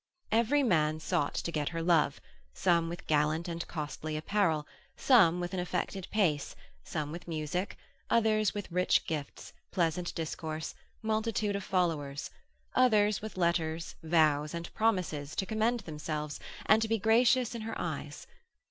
Every man sought to get her love, some with gallant and costly apparel, some with an affected pace, some with music, others with rich gifts, pleasant discourse, multitude of followers; others with letters, vows, and promises, to commend themselves, and to be gracious in her eyes.